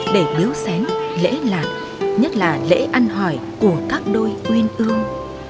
để biếu xén lễ lạc nhất là lễ ăn hỏi của các đôi uyên ương